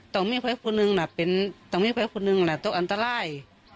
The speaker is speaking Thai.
ต้องมีไฟคุณหนึ่งนะเป็นต้องมีไฟคุณหนึ่งนะต้องอันตราย